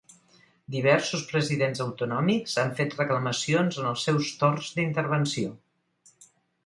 Diversos presidents autonòmics han fet reclamacions en els seus torns d’intervenció.